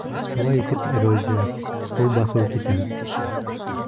Шулай итеп, эрозия, һыу баҫыу китә.